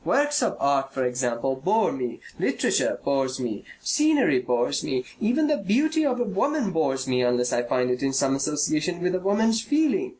Works of art, for example, bore me, literature bores me, scenery bores me, even the beauty of a woman bores me, unless I find in it some association with a woman's feeling.